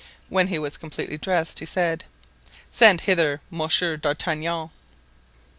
When he was completely dressed he said: "Send hither Monsieur d'Artagnan."